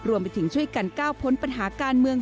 รวมไปถึงช่วยกันก้าวพ้นปัญหาการเมือง